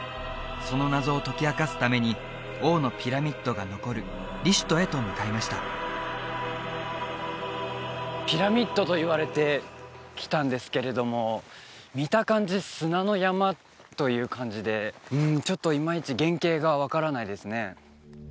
その謎を解き明かすために王のピラミッドが残るリシュトへと向かいましたピラミッドと言われて来たんですけれども見た感じ砂の山という感じでうんちょっとイマイチ原形が分からないですね